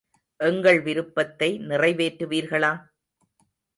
எங்கள் விருப்பத்தை நிறைவேற்றுவீர்களா?